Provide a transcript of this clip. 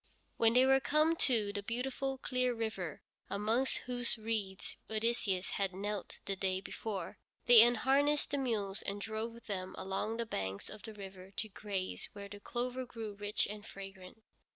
When they were come to the beautiful, clear river, amongst whose reeds Odysseus had knelt the day before, they unharnessed the mules and drove them along the banks of the river to graze where the clover grew rich and fragrant.